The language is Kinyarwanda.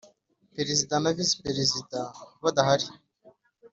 Perezida na Visi Perezida badahari